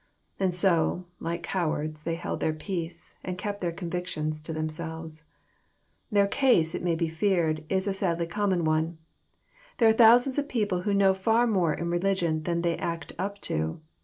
And so, like cowards, they held their peace, and kept their convictions to themselves. Their case, it may be feared, is a sadly common one. There are thousands of people who koow far more in religion then they act up to.